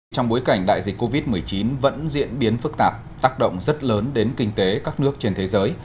trong bối cảnh đại dịch covid một mươi chín vẫn diễn biến phức tạp tác động rất lớn đến kinh tế các nước trên thế giới